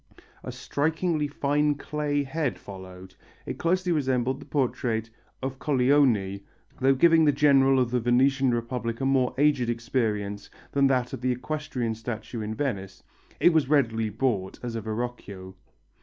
A strikingly fine clay head followed. It closely resembled the portrait of Colleoni, though giving the general of the Venetian Republic a more aged appearance than that of the equestrian statue in Venice: it was readily bought as a Verrocchio.